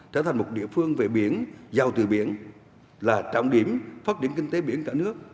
trở thành một địa phương về biển giàu từ biển là trọng điểm phát triển kinh tế biển cả nước